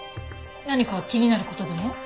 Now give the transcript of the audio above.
何か気になる事でも？